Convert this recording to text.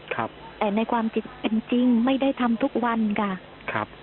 แต่ในความจิตเป็นจริงไม่ได้ทำทุกวันค่ะ